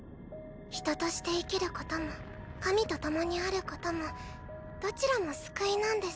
人として生きることも神と共にあることもどちらも救いなんです。